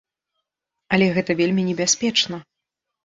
Але гэта вельмі небяспечна.